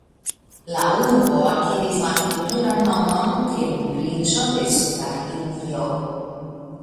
La urbo akiris la kulturan nomon "Kembriĝo de Suda Hindio".